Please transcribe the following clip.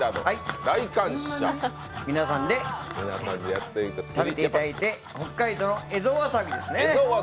皆さんに食べていただいて、北海道の蝦夷わさびですね。